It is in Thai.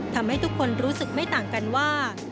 ทำให้ทุกคนรู้สึกไม่ต่างกันว่า